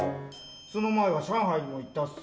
その前は上海にも行ったしさ。